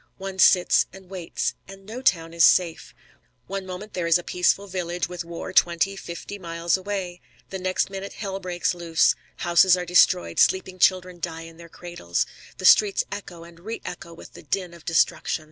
One sits and waits. And no town is safe. One moment there is a peaceful village with war twenty, fifty miles away. The next minute hell breaks loose. Houses are destroyed. Sleeping children die in their cradles. The streets echo and reëcho with the din of destruction.